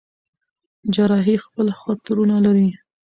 جراحي خپل خطرونه لري.